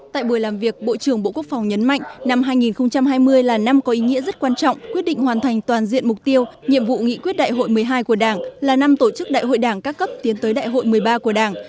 tại buổi làm việc bộ trưởng bộ quốc phòng nhấn mạnh năm hai nghìn hai mươi là năm có ý nghĩa rất quan trọng quyết định hoàn thành toàn diện mục tiêu nhiệm vụ nghị quyết đại hội một mươi hai của đảng là năm tổ chức đại hội đảng các cấp tiến tới đại hội một mươi ba của đảng